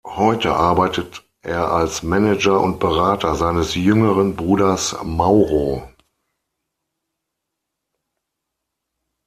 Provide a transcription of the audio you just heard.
Heute arbeitet er als Manager und Berater seines jüngeren Bruders Mauro.